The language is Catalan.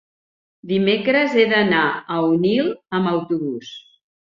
Dimecres he d'anar a Onil amb autobús.